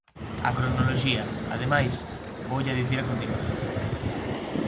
A cronoloxía, ademais, voulla dicir a continuación.